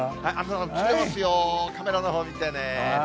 映ってますよ、カメラのほう見てねー。